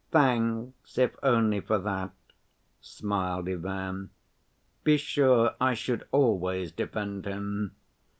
"Thanks, if only for that," smiled Ivan. "Be sure, I should always defend him.